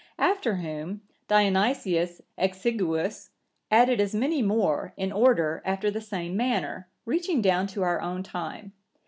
After whom, Dionysius Exiguus(977) added as many more, in order, after the same manner, reaching down to our own time.